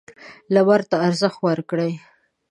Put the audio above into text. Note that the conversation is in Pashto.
لمر ته ارزښت ورکړئ.